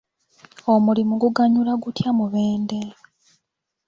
Omulimu guganyula gutya Mubende?